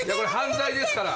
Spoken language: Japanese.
犯罪ですから。